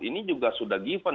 ini juga sudah given